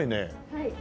はい。